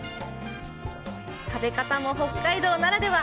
食べ方も北海道ならでは。